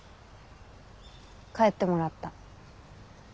帰ってもらった。